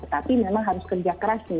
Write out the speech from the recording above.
tetapi memang harus kerja keras nih